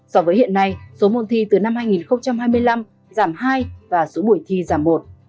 so với hiện nay số môn thi từ năm hai nghìn hai mươi năm giảm hai và số buổi thi giảm một